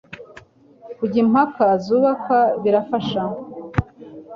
Kujya impaka zubaka birafasha